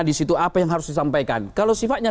di situ apa yang harus disampaikan kalau sifatnya